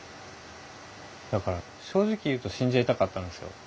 だから正直言うと死んじゃいたかったんですよ。